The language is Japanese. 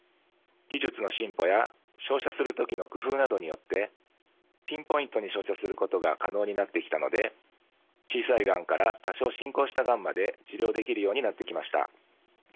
技術の進歩や照射する時の工夫などによってピンポイントに照射することが可能になってきたので小さいがんから多少進行したがんまで治療できるようになってきました。